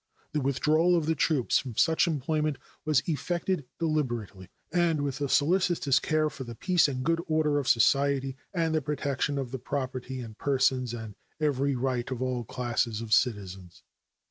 The withdrawal of the troops from such employment was effected deliberately, and with solicitous care for the peace and good order of society and the protection of the property and persons and every right of all classes of citizens.